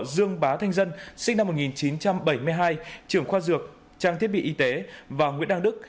dương bá thanh dân sinh năm một nghìn chín trăm bảy mươi hai trưởng khoa dược trang thiết bị y tế và nguyễn đăng đức